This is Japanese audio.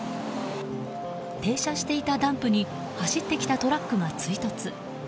停車していたダンプに走ってきたトラックが追突。